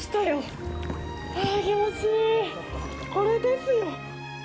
これですよ！